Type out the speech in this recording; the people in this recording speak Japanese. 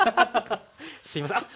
すいませんあっ！